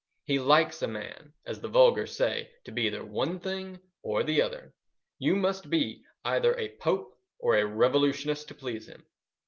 He likes a man, as the vulgar say, to be either one thing or the other. You must be either a Pope or a revolutionist to please him.